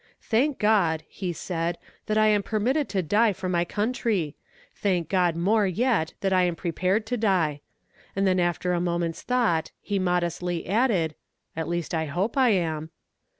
'Thank God,' he said, 'that I am permitted to die for my country. Thank God more yet that I am prepared to die;' and then after a moment's thought he modestly added, 'at least I hope I am.'